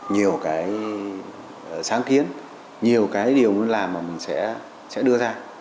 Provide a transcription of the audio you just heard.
nhiều cái sáng kiến nhiều cái điều muốn làm mà mình sẽ đưa ra